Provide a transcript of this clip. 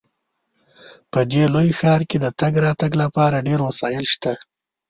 په دې لوی ښار کې د تګ راتګ لپاره ډیر وسایل شته